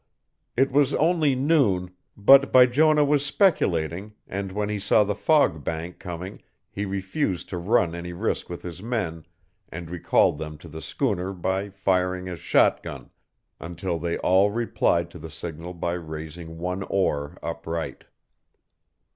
It was only noon, but Bijonah was speculating, and when he saw the fog bank coming he refused to run any risk with his men, and recalled them to the schooner by firing his shotgun until they all replied to the signal by raising one oar upright.